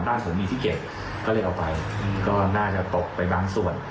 บ้านผมมีที่เก็บก็เลยเอาไปก็น่าจะตกไปบางส่วน